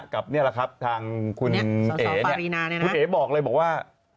กับเนี่ยแหละครับทางคุณเอกเนี่ยคุณเอกบอกเลยว่า